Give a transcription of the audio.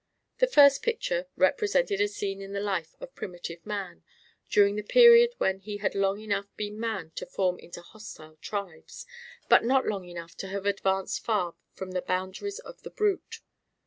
The first picture represented a scene in the life of primitive man, during the period when he had long enough been man to form into hostile tribes, but not long enough to have advanced far from the boundaries of the brute.